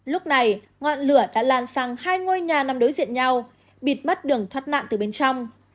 lúc này ngọn lửa đã lan sang hai ngôi nhà nằm đối diện nhau bịt mắt đường thoát nạn từ bên trong